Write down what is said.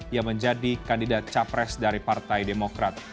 yang menjadi kandidat capres dari partai demokrat